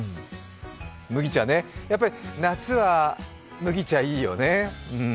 麦茶ね、やっぱり夏は麦茶、いいよね。